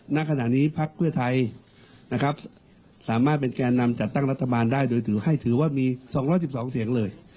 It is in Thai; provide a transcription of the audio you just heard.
ณขณะนี้พักเพื่อไทยนะครับสามารถเป็นแก่นำจัดตั้งรัฐบาลได้โดยถือให้ถือว่ามี๒๑๒เสียงเลย